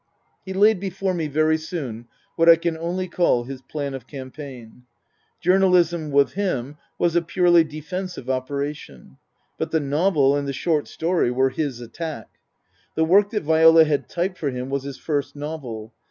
He laid before me very soon what I can only call his plan of campaign. Journalism with him was a purely defensive operation ; but the novel and the short story were his attack. The work that Viola had typed for him was his first novel.